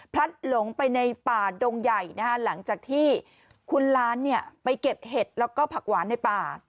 หลงไปในป่าดงใหญ่หลังจากที่คุณล้านไปเก็บเห็ดแล้วก็ผักหวานในป่า